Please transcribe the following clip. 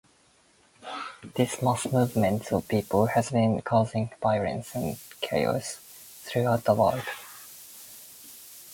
This mass movement of people has been causing violence and chaos throughout the world.